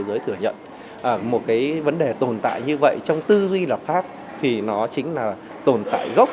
giới thừa nhận một cái vấn đề tồn tại như vậy trong tư duy lập pháp thì nó chính là tồn tại gốc